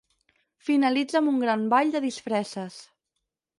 Finalitza amb un gran ball de disfresses.